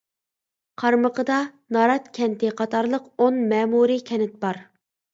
قارمىقىدا نارات كەنتى قاتارلىق ئون مەمۇرىي كەنت بار.